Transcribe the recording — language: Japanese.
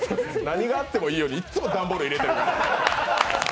何があってもいいようにいっつも段ボール入れてるから。